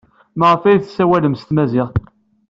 Maɣef ay tessawalem s tmaziɣt?